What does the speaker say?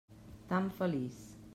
Tan feliç.